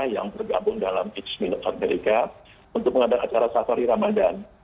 yang bergabung dalam x minute america untuk mengadakan acara safari ramadan